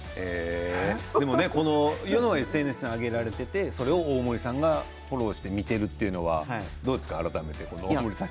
ＳＮＳに上げられていてそれを大森さんがフォローして見てるというのはどうですか？